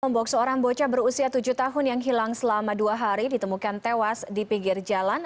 bok seorang bocah berusia tujuh tahun yang hilang selama dua hari ditemukan tewas di pinggir jalan